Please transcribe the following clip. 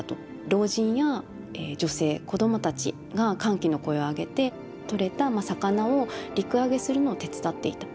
老人や女性子供たちが歓喜の声を上げて取れた魚を陸揚げするのを手伝っていた。